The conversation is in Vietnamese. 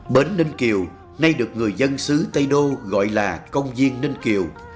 bến ninh kiều nay được người dân xứ tây đô gọi là công viên ninh kiều